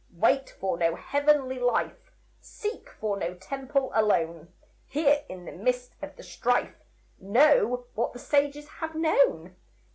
Wait for no heavenly life, Seek for no temple alone; Here, in the midst of the strife, Know what the sages have known.